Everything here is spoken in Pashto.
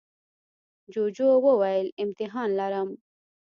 جوجو وویل امتحان لرم.